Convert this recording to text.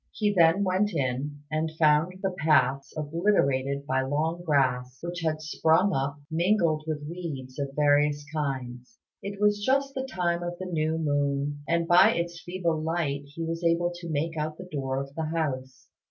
He then went in, and found the paths obliterated by long grass, which had sprung up, mingled with weeds of various kinds. It was just the time of the new moon, and by its feeble light he was able to make out the door of the house.